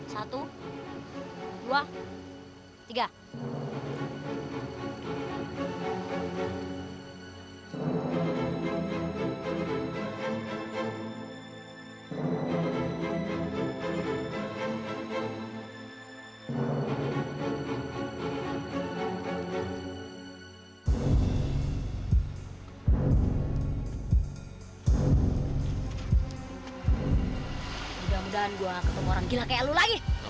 satu dua tiga